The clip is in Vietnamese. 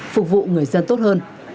phục vụ người dân tốt hơn